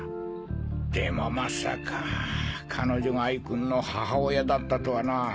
でもまさか彼女が哀君の母親だったとはな。